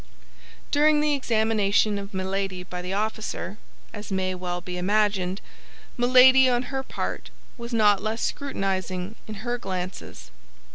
During the examination of Milady by the officer, as may well be imagined, Milady on her part was not less scrutinizing in her glances.